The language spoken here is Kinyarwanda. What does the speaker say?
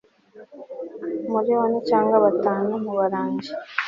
Muri bane cyangwa batanu kubarangi